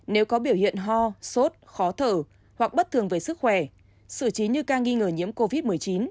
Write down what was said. nếu có biểu hiện ho sốt khó thở hoặc bất thường về sức khỏe xử trí như ca nghi ngờ nhiễm covid một mươi chín